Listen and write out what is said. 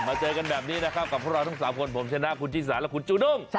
เจอกันแบบนี้นะครับกับพวกเราทั้ง๓คนผมชนะคุณชิสาและคุณจูด้ง